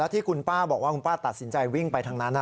ที่คุณป้าบอกว่าคุณป้าตัดสินใจวิ่งไปทางนั้น